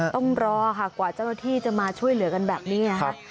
ต้องรอค่ะกว่าเจ้าหน้าที่จะมาช่วยเหลือกันแบบนี้ค่ะ